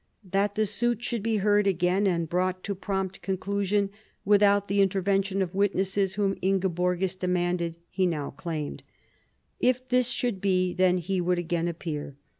That the suit should be heard again and brought to prompt conclusion without the intervention of witnesses whom Ingeborgis demanded, he now claimed. If this should be, then he would again appear.